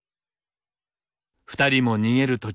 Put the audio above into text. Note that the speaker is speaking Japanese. ２人も逃げる